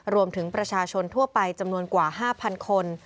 รวมถึงประชาชนทั่วไปจำนวนกว่า๕๐๐คน